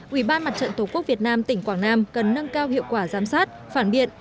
ủy ban mặt trận tổ quốc việt nam tỉnh quảng nam cần nâng cao hiệu quả giám sát phản biện